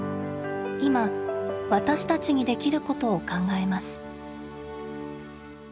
いま私たちにできることを考えます。